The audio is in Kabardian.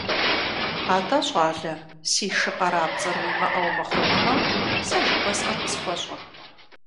АтӀэ, щӀалэ, си шы къарапцӀэр уимыӀэу мыхъунумэ, сэ жыхуэсӀэр къысхуэщӀэ.